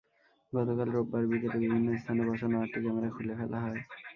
গতকাল রোববার বিকেলে বিভিন্ন স্থানে বসানো আটটি ক্যামেরা খুলে ফেলা হয়।